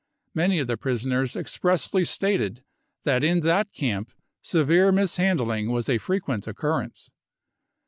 Many of the prisoners expressly stated that in that camp severe mishandling was a frequent occurrence.